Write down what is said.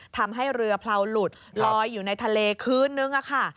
ทำให้เรือเผลาหลุดลอยอยู่ในทะเลคืนนึงค่ะ